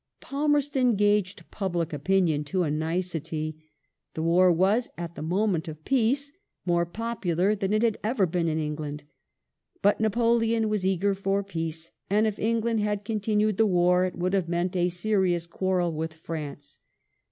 Palmerston gauged public opinion to a nicety. The war was, at the moment of peace, more popular than it had ever been in England. But Napoleon was eager for peace, and if Eng land had continued the war, it would have meant a serious quarrel with France.